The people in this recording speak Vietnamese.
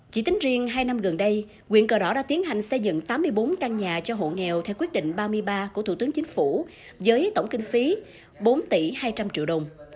chỉ tính riêng hai năm gần đây quyện cờ rõ đã tiến hành xây dựng tám mươi bốn căn nhà cho hộ nghèo theo quyết định ba mươi ba của thủ tướng chính phủ với tổng kinh phí bốn tỷ hai trăm linh triệu đồng